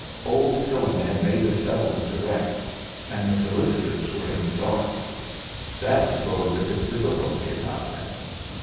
Old Pillin had made the settlement direct; and the solicitors were in the dark; that disposed of his difficulty about them.